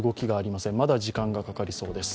まだ時間がかかりそうです。